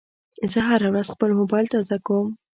زه هره ورځ خپل موبایل تازه کوم.